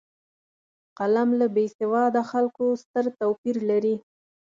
قلم له بېسواده خلکو ستر توپیر لري